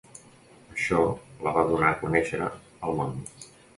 Això la va donar a conèixer al món.